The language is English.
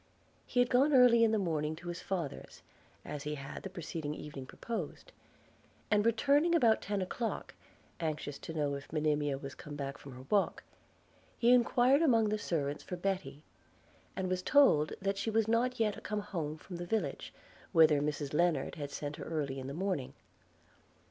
He had gone early in the morning to his father's, as he had the preceding evening proposed: and returning about ten o'clock, anxious to know if Monimia was come back from her walk, he enquired among the servants for Betty; and was told that she was not yet come home from the village, whither Mrs Lennard had sent her early in the morning.